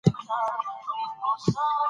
جهاني زړه مي له چا سره پیوند کړم